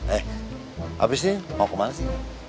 eh abis deh mau kemana sih